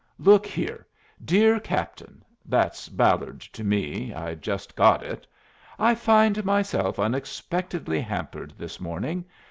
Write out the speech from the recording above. Look here: 'Dear Captain' that's Ballard to me. I just got it 'I find myself unexpectedly hampered this morning.